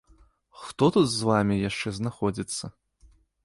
Хто тут з вамі яшчэ знаходзіцца?